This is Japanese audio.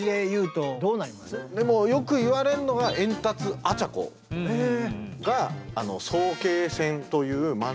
でもよく言われるのはエンタツアチャコが「早慶戦」という漫才を作家さん